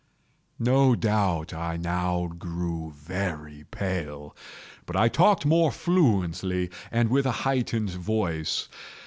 No doubt I now grew very pale;—but I talked more fluently, and with a heightened voice.